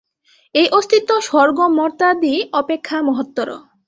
এই অস্তিত্ব স্বর্গ-মর্ত্যাদি অপেক্ষা মহত্তর।